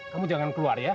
kamu jangan keluar ya